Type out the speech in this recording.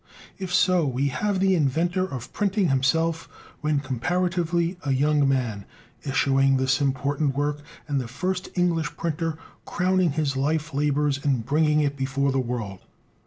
If so, we have the inventor of printing himself, when comparatively a young man, issuing this important work, and the first English printer crowning his life labors in bringing it before the world.